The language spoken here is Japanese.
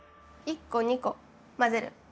１個２個混ぜる。